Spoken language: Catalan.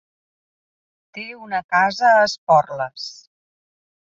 Té una casa a Esporles.